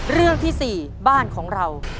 เรื่องที่๔บ้านของเรา